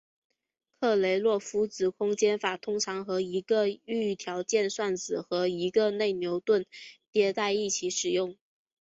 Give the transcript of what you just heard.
克雷洛夫子空间法通常和一个预条件算子和一个内牛顿迭代一起使用。